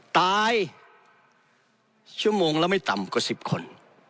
ตายชั่วโมงละไม่ต่ำกว่า๑๐คน